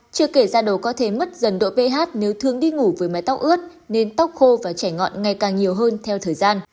chưa kể ra đầu có thể mất dần độ ph nếu thường đi ngủ với mái tóc ướt nên tóc khô và chảy ngọn ngày càng nhiều hơn theo thời gian